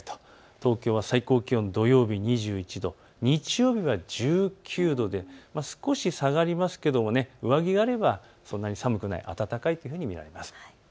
東京は最高気温土曜日２１度、日曜日は１９度で少し下がりますけども上着があればそんなに寒くない、暖かいというふうに見られます。